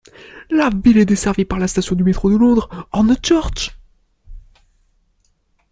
La ville est desservit par la station du métro de Londres Hornchurch.